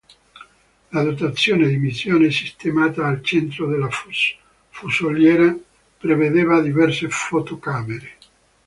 La dotazione di missione, sistemata al centro della fusoliera, prevedeva diverse fotocamere.